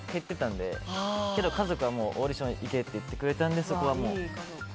でも、家族はオーディションに行けって言ってくれたんで。